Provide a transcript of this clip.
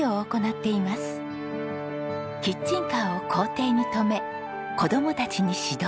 キッチンカーを校庭に止め子供たちに指導。